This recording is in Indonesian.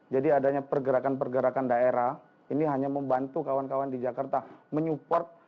jadi adanya pergerakan pergerakan daerah ini hanya membantu kawan kawan di jakarta menyupport